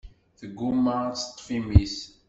Tegguma ad teṭṭef imi-s.